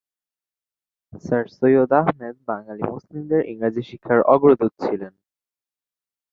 Sir Syed Ahmed Bengali মুসলিমদের ইংরেজি শিক্ষার অগ্রদূত ছিলেন।